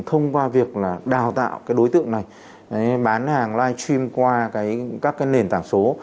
thông qua việc là đào tạo đối tượng này bán hàng live stream qua các nền tảng số